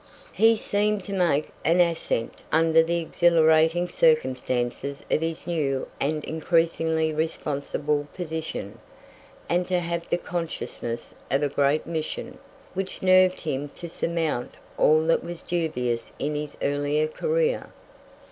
He seemed to make an ascent under the exhilarating circumstances of his new and increasingly responsible position, and to have the consciousness of a great mission, which nerved him to surmount all that was dubious in his earlier career.